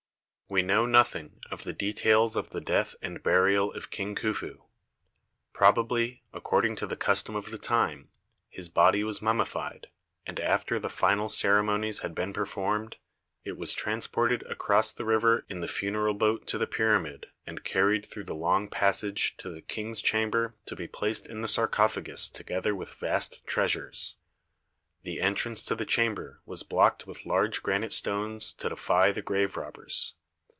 We know nothing of the details of the death and burial of King Khufu. Probably, according to the custom of the time, his body was mummified, and after the final ceremonies had been performed, it was transported across the river in the funeral boat to the pyramid and carried through the long pas sage to the king's chamber to be placed in the sarcophagus together with vast treasures. The entrance to the chamber was blocked with large granite stones to defy the grave robbers.